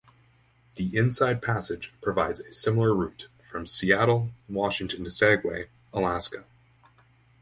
The "inside passage" provides a similar route from Seattle, Washington to Skagway, Alaska.